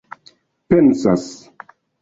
pensas